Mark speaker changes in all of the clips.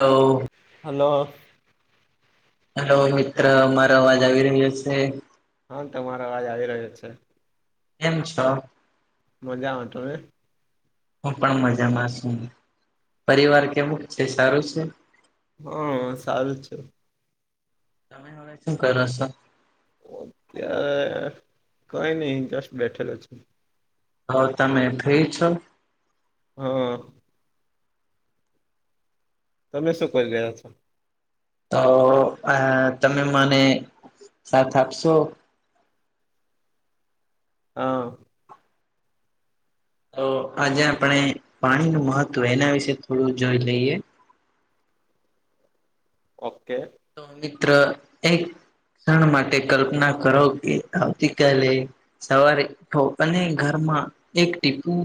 Speaker 1: તો
Speaker 2: hello
Speaker 1: hello મિત્ર મારો અવાજ આવી રહ્યો છે
Speaker 2: હમ તમારા આજ આવી રહ્યો છે
Speaker 1: એમ છો.
Speaker 2: મજા આવે ત ને
Speaker 1: હું પણ મજામાં છું પરિવાર કેવું છે સારું છે
Speaker 2: હા સારું છે
Speaker 1: હવે તમે શું કરો છો.
Speaker 2: અત્યારે કઈ નહ જસ્ટ બેઠેલ છે
Speaker 1: હ તમે ફ્રી છો
Speaker 2: હમ તમે શું કરી રહ્યા છો.
Speaker 1: તો આ તમે મને સાથ આપશો
Speaker 2: હા
Speaker 1: તો આજે આપણે પાણી નું મહત્વ એના વિશે થોડું જોઈ લઈએ.
Speaker 2: ઓકે
Speaker 1: તો મિત્ર એક ક્ષણ માટે કલ્પના કરો કે આવતી કલે સવારે ઉઠો અને ઘરમાં એક ટીપું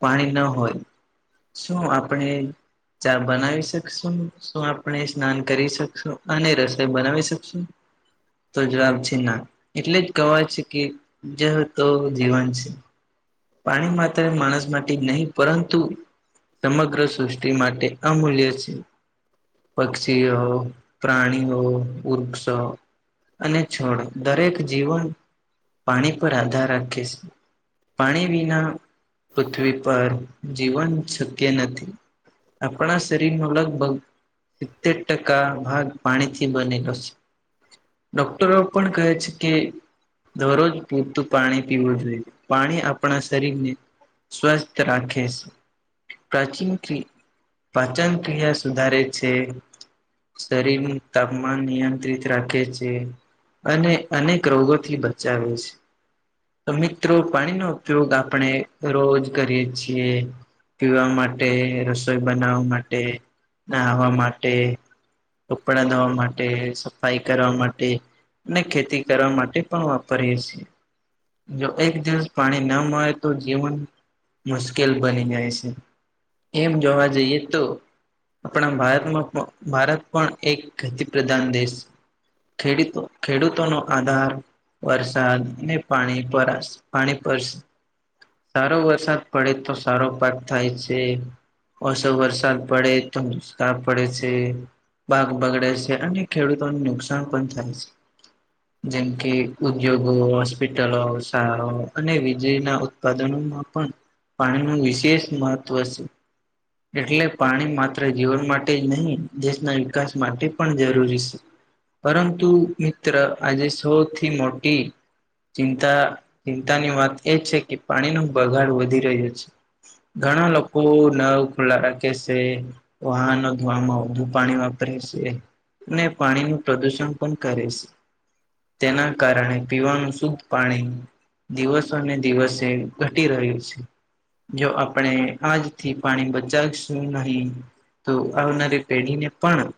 Speaker 1: પાણી ન હોય શું આપણે ચા બનાવી શકશું શું આપણે સ્નાન કરી શકશું અને રસોઈ બનાવી શકશું. તો જવાબ છે ના એટલે જ કવાય છે કે જે તો જીવન છે. પાણી માત્ર માણસ માટે નહીં પરંતુ સમગ્ર સૃષ્ટિ માટે અમૂલ્ય છે પક્ષી હો પ્રાણી હો ઉર્ક્ષ અને છોડ દરેક જીવન પાણી પર આધાર રાખે છે પાણી વિના પૃથ્વી પર જીવન શક્ય નથી આપણા શરીર ન લગભગ સિત્તેર ટકા ભાગ પાણીથી બનેલો છે. ડોક્ટરો પણ કહે છે કે દરરોજ પૂરતું પાણી પીવું જોઈએ પાણી આપણા શરીરને સ્વસ્થ રાખે છે પ્રાચીન પાચન ક્રિયા સુધારે છે. શરીર ન તાપમાન નિયંત્રિત રાખે છે. અને અનેક રોગોથી બચાવે છે તો મિત્રો પાણીનો ઉપયોગ આપણે રોજ કરીએ છીએ પીવા માટે રસોઈ બનાવવા માટે નાહવા માટે કપડા ધોવા માટે સફાઈ કરવા માટે ખેતી કરવા માટે પણ વાપરીએ છીએ જો એક દિવસ પાણી ના મળે તો જીવન મુશ્કેલ બની જાય છે એમ જોવા જઈએ તો આપણા ભારતમાં ભારત પણ એક ગતિ પ્રધાન દેશ ખેડૂતો ખેડૂતો નો આધાર વરસાદ અને પાણી પ પાણી પરશે સારો વરસાદ પડે તો સારો પાક થાય છે ઓસો વરષ પડે તો મુુસ્ખળ પડે છે પાક બગડે છે અને ખેડૂતોને નુકસાન પણ થાય છે જેમકે ઉદ્યોગ હસ્પિટલ સ અને વીજળીના ઉત્પાદનોમાં પણ પાણીનું વિશેષ મહત્વ છે એટલે પાણી માત્ર જીવન માટે જ નહીં દેશના વિકાસ માટે પણ જરૂરી છે પરંતુ મિત્ર આજે સૌથી મોટી ચિંતા બધાની વાત એ છે કે પાણીનો બગાડ વધી રહ્યો છે ઘણા લોકો નળ ખુલ્લા રાખે કે છે વાહનો ધોવામાં વધુ પાણી વાપરે છે ને પાણી નું પ્રદુષણ પણ કરે છે તેના કારણે પીવાનું શુદ્ધ પાણી દિવસો અનેને દિવસે એ ઘટી રહ્યું છે જો આપણે આજથી પાણી બચાવશું નહી તો આવનારી પેઢીને પણ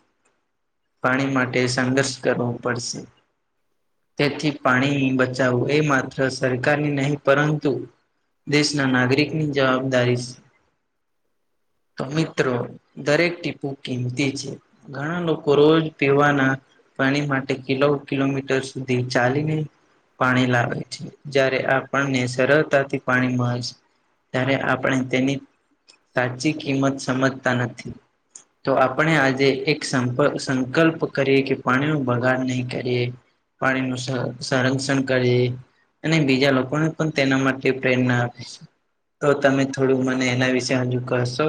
Speaker 1: પાણી માટે સંઘર્ષ કરવો પડશે તેથી પાણી બચાવવું એ માત્ર સરકારની નહી પરંતુ દેશના નાગરિકની જવાબદારી તો મિત્રો દરેક ટીપુ કિંમતી છે ઘણા લોકો રોજ પીવાના પાણી માટે કિલો કિલોમીટર સુધી ચાલીને પાણી લાવે છે જારે આપણને સરળતાથી પાણીમાં ત્યારે આપણે તેની સાચી કિંમત સમજતા નથી તો આપણે આજે એક સંકલ્પ કરીએ કે પાણી ન બગાડ નહી કરીએ પાણી નું સંરક્ષણ કરી અને બીજા લોકોને પણ તેના માટે પ્રેરણા આપે છે તો તમે થોડું મને એના વિશે હજુ કરશો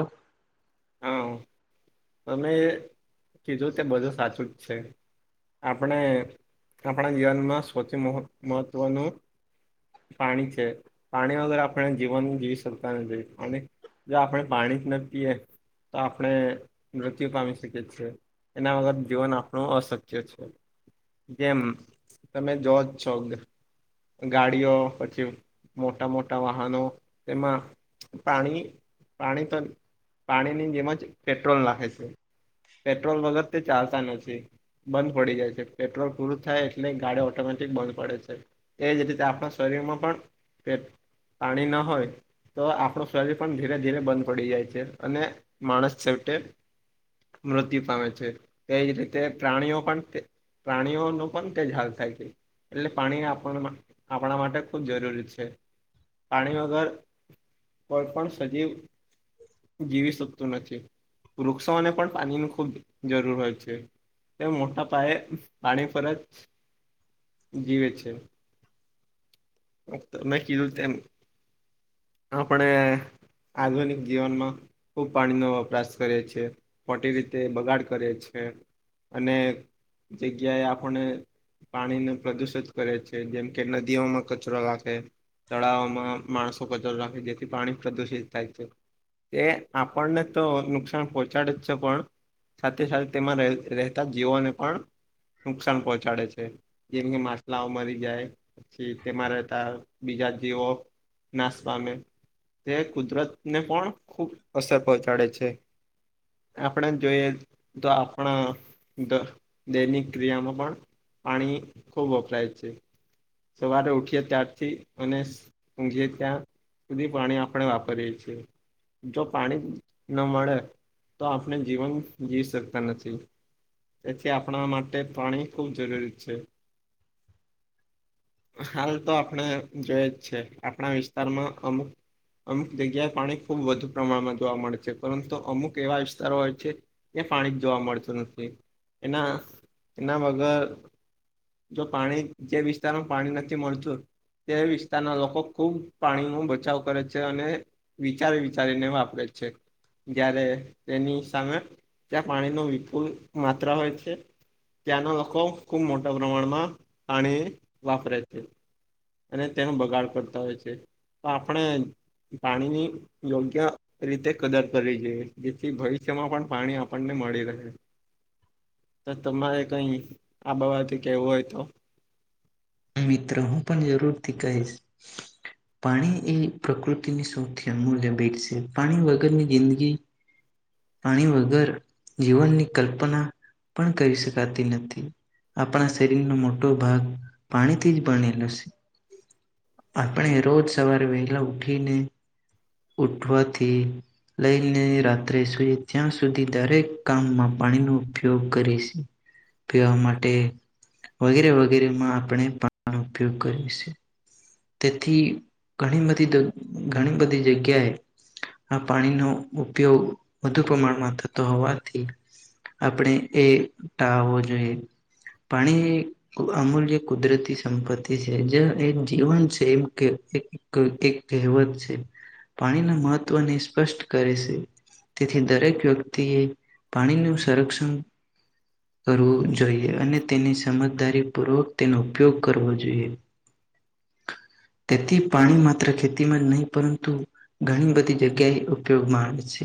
Speaker 2: હા
Speaker 1: [inaudible]
Speaker 2: તમે કીધું તે બધું સાચું જ છે આપણે આપણા જીવનમાં સૌથી મહત્ત્વનું પાણી છે પાણી વગર આપણે જીવન જીવી શકતા નથી જોઈએ પાણી જો આપણે પાણી જ ના પીએ તો આપણે મૃત્યુ પામી શકીએ છીએ એના વગર જીવન આપણું અસત્ય છે જેમ તમે જો જ છો ગાડીઓ પછી મોટા મોટા વાહનો એમાં પાણી પાણી તો પાણી ની જેમ જ પેટ્રોલ નાખે છે પેટ્રોલ વગર તે ચાલતા નથી બંધ પડી જાય છે પેટ્રોલ પૂરું થાય એટલે ગાડી ઓટોમેટિક બંધ પડે છે એજ રીતે આપણા શરીરમાં પણ પે પાણી ના હોય તો આપણું શરીર પણ ધીરે ધીરે બંધ પડી જાય છે અને માણસ છેવટે. મૃત્યુ પામે છે તેજ રીતે પ્રાણીઓ પણ પ્રાણીઓ ન પણ તે હાલ થાય છે. એટલે પાણી આપ આપણા માટે ખૂબ જરૂરી છે પાણી વગર કોઈ પણણ સજીવ જીવી શકતું નથી વૃક્ષોને પણ પાણીની ખૂબ જરૂર હોય છે. એ મોટા પાયે પાણી પરર જ જીવે છે. ઓ તો કીધું તેમ. આપણે આધુનિક જીવનમાં ખૂબ પાણીનો વપરાશ કરે છે મોટી રીતે બગાડ કરે છે. અને જગ્યાએ આપણે પાણીને પ્રદુષિત કરે છે જેમ કે નદીઓમાં કચરો રાખે તળાવમાં માણસો કચર રાખે જેથી પાણી પ્રદુષિત થાય છે. એ આપણને તો નુકસાન પોહોંચાડે જ છે પણ સાથે સાથે તેમાં રે રહેતા જીવોને પણ નુકસાન પહોંચાડે છે જેમ કે માછલાઓ મરી જાય સિટીમાં તેમાં રહેતા બીજા જેવો નાશ પામે તે કુદરતને પણ ખૂબ અસર પહોંચાડે છે. આપણે જોઈએ તો આપણા દ દૈનિક ક્રિયામાં પણ પાણી ખૂબ વપરાય છે સવારે ઉઠીએ ત્યારથી અને ઊંઘીએ ત્યાં સુધી પાણી આપણે વાપરીએ છીએ. જો પાણી ન મળે તો આપણે જીવન જીવી શકતા નથી. તેથી આપણા માટે પાણી ખુબ જરૂરી છે. હાલ તો આપણે જોઈએ જ છે આપણા વિસ્તારમાં અમુક અમુક જગ્યાએ પાણી ખૂબ વધુ પ્રમાણમાં જોવા મળે છે પરંતુ અમુક એવા વિસ્તારો હોય છે કે પાણી જોવા મળતું નથી એના એના વગર જો પાણી જે વિસ્તારમાં પાણી નથી મળતું તે વિસ્તારના લોકો ખુબ પાણી નુ બચાવ કરે છે અને વિચારી વિચારી ને વાપરે છે. જ્યારે તેની સામે ત્યાં પાણી નુ વિપુલ માત્રા હોય છે. ત્યાં ના લોકોક ખૂબ મોટા પ્રમાણમાં પાણી વાપરે છે. અને તેનો બગાડ કરતા હોય છે તો આપણે પાણીની યોગ્ય રીતે કદર કરવી જોઈએ જેથી ભવિષ્યમાં પણ પાણી આપણને મળી રહે. તમારે કઈ આ બાવાાથી કેવું હોય તો
Speaker 1: મિત્રો હું પણ જરૂરથી કહીશ પાણી એ પ્રકૃતિની સૌથી અમૂલ્ય ભેટ છે પાણી વગરની જિંદગી પાણી વગર જીવનની કલ્પના પણ કરી શકાતી નથી આપણા શરીરનો મોટો ભાગ પાણીથી જ બણેલું છે. આપણે રોજ સવારે વહેલા ઉઠીને ઉઠવાથી લઈને રાત્રે સુઈ ત્યાં સુધી દરેક કામમાં પાણીનો ઉપયોગ કરીશ. પીવા માટે વગેરે વગેરે માં આપણે પાણીનો ઉપયોગ કરીએ છે. તેથી ઘણી બધી ઘણી બધી જગ્યાએ આ પાણીનો ઉપયોગ વધુ પ્રમાણમાં થતો હોવાથી આપણે એ ટાવો જોઈએ. પાણી અમૂલ્ય કુદરતી સંપત્તિ છે જે એ જીવન છે એમ કે એક કે કહેવત છે. પાણીના મહત્વને સ્પષ્ટ કરે છે. તેથી દરેક વ્યક્તિ એ પાણીનું સંરક્ષણ કરવું જોઈએ અને તેની સમજદારી પૂર્વક તેનો ઉપયોગ કરવો જોઈએ. તેથી પાણી માત્ર ખેતીમાં જ નહીં પરંતુ ઘણી બધી જગ્યાએ ઉપયોગમાં આવે છે.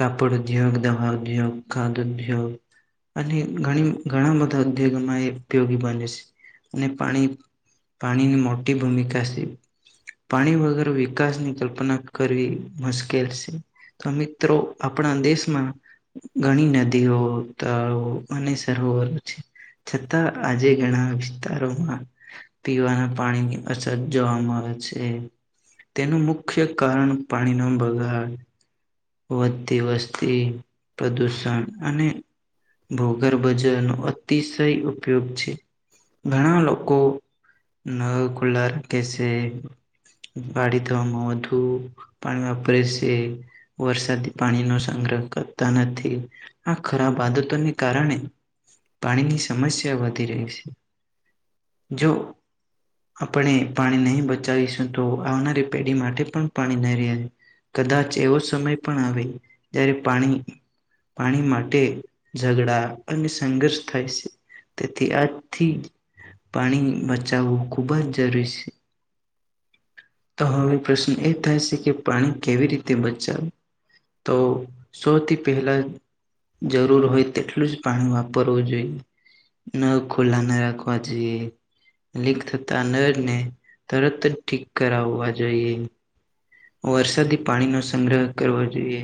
Speaker 1: કાપડ ઉદ્યોગ, દવા ઉદ્યોગ, ખાદ ઉદ્યોગ અને ઘણી ઘણા બધા ઉદ્યોગમાં એ ઉપયોગી બને છે અને પાણી પાણી ની મોટી ભૂમિકાશે. પાણી વગર વિકાસની કલ્પના કરવી મુશ્કેલ છે. તો મિત્રો આપણા દેશમાં ઘણી નદીઓ, તળાવ અને સરોવરો છે. છતાં આજે ઘણા વિસ્તારોમાં પીવાના પાણીની અછત જોવામાં આવે છે. તેનું મુખ્ય કારણ પાણીનો બગાડ વધતી વસ્તી પ્રદુષણ અને ભોગર્ભજન નો અતિશય ઉપયોગ છે ઘણા લોકો નળ ખુલ્લા રાખેછે. વાઢી થવા મધુ પાવા [unintelligible] વરસાદી પાણી નો સંગ્રહ કરતા નથી. આ ખરાબ આદતોને કારણે પાણીની સમસ્યા વધી રહી છે. જો. આપણે પાણી નહી બચાવીશું તો આવનારી પેઢી માટે પણ પાણી નહી રહ્યા છે. કદાચ એવો સમય પણ આવે જ્યારે પાણી પાણી માટે ઝઘડા અને સંઘર્ષ થાય છે. તેથી આજથી પાણી બચાવું ખુબ જ જરૂરી છે. તો હવે પ્રશ્ન એ થાય છે કે પાણી કેવી રીતે બચાવું. તો સૌથી પહેલાં જરૂર હોય તેટલું જ પાણી વાપરવું જોઈએ નળ ખુલ્લા ના રાખવા જોઈએ લીક થતા નળને તરત જ ઠીક કરાવવા જોઈએ. વરસાદી પાણીનો સંગ્રહ કરવો જોઈએ.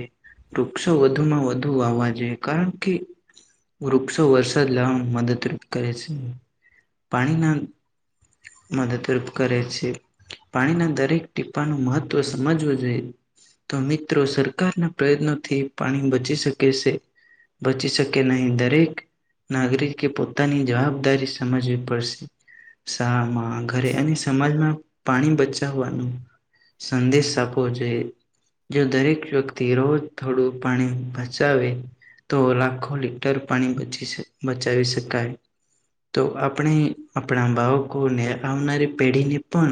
Speaker 1: વૃક્ષો વધુ માં વધુ વાવા જોઈએ કારણ કે વૃક્ષો વરસાદ લાવામાં મદદરૂપ કરે છે પાણીના મદદરૂપ કરે છે પાણીના દરેક ટીપાનું મહત્વ તો સમજવું જોઈએ. તો મિત્રો સરકારના પ્રયત્નોથી પાણી બચી શકે છે. બચી શકે નહીં દરેક નાગરિકે પોતાની જવાબદારી સમજવી પડશે. શા ઘરે અને સમાજમાં પાણી બચાવવાનું સંદેશ આપવો જોઈએ. જો દરેક વ્યક્તિ રોજ થોડું પાણી બચાવે તો લાખો લીટર પાણી બચી બચાવી શકાય. તો આપણે આપણા બાળકોને આવનારી પેઢીને પણ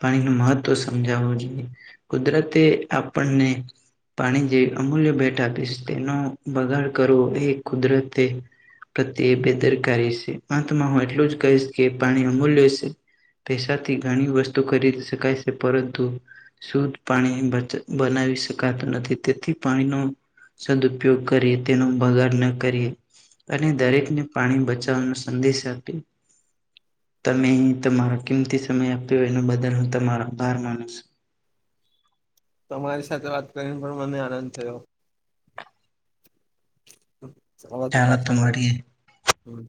Speaker 1: પાણી ન મહત્ત્વ સમજાવવું જોઈએ કુદરતે આપણને પાણી જે અમૂલ્ય ભેટ આપીશ તેનો બગાડ કરવો એ કુદરતે પ્રત્યે બેદરકારી છે અંતમાં હું એટલું જ કહીશ કે પાણી અમૂલ્ય છે. પૈસાથી ઘણી વસ્તુ ખરીદી શકાય છે પરંતુ શુદ્ધ પાણી બનાવી શકાતું નથી તેથી પાણીનો સદઉપયોગ કરીએ તેનો બગાડ ના કરીએ. અને દરેકને પાણી બચાવાનો સંદેશ આપ્યો. તમે તમારો કિમતી સમય આપ્યો એના બદલ હું તમારો આભાર માનું છું.
Speaker 2: તમારી સાથે વાત કરીને પણ મને આનંદ થયો ચવા તો
Speaker 1: ચાલો
Speaker 2: પાછો મળે છે
Speaker 1: મળીએ
Speaker 2: હમ